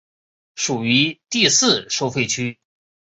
属于第四收费区。